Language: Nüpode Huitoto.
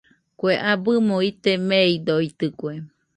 Kue abɨmo ite meidoitɨkue.